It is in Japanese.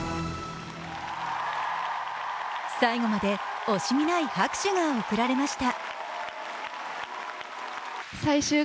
最後まで惜しみない拍手が送られました。